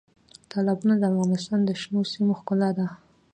تالابونه د افغانستان د شنو سیمو ښکلا ده.